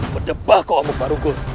berdebah kau omok marugul